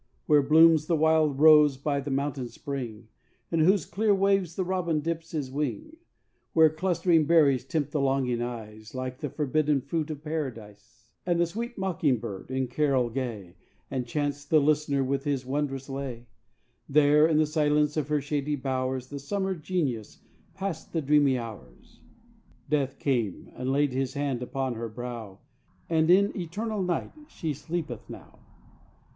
Where blooms the wild rose by the mountain spring, In whose clear waves the robin dips his wing, Where clustering berries tempt the longing eyes Like the forbidden fruit of Paradise, And the sweet mocking bird, in carol gay, Enchants the listener with his wondrous lay There, in the silence of her shady bowers, The Summer genius passed the dreamy hours; Death came and laid his hand upon her brow, And in eternal night she sleepeth now.